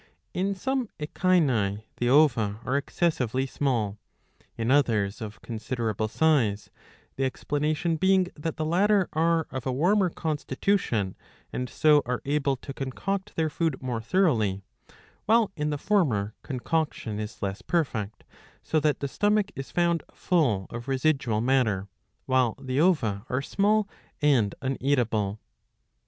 In some Echini the ova are excessively small, in others of con siderable size, the explanation being that the latter are of a warmer constitution, and so are able to concoct their food more thoroughly ; while in the former concoction is less perfect, so that the stomach is found full of residual matter, while the ova are small and uneatable.